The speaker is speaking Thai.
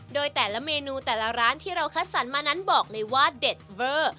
โดยแต่ละเมนูแต่ละร้านที่เราคัดสรรมานั้นบอกเลยว่าเด็ดเวอร์